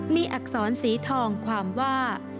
มีอักษรสีทองความว่า